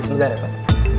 semoga ada pak